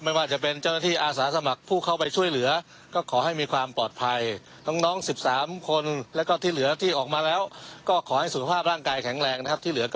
อยากจะมาเที่ยวทางอีสานนะครับ